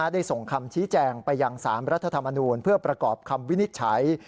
ได้ส่งคำชี้แจงไปยัง๓รัฐธรรมนูลเพื่อประกอบคำวินิจฉัย